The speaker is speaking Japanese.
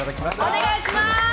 お願いします。